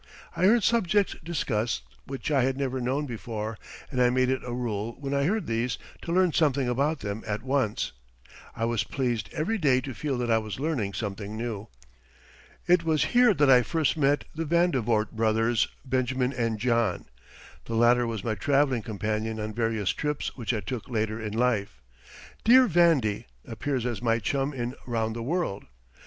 I heard subjects discussed which I had never known before, and I made it a rule when I heard these to learn something about them at once. I was pleased every day to feel that I was learning something new. It was here that I first met the Vandevort brothers, Benjamin and John. The latter was my traveling companion on various trips which I took later in life. "Dear Vandy" appears as my chum in "Round the World."